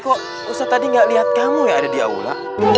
kok ustadz tadi gak liat kamu ya ada di aula